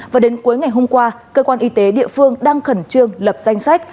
và đến cuối ngày hôm qua cơ quan y tế địa phương đang khẩn trương lập danh sách